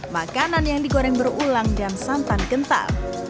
makanan yang digoreng berulang dan santan kental